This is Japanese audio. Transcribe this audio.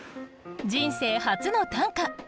人生初の短歌。